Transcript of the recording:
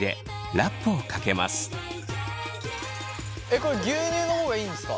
これ牛乳の方がいいんですか？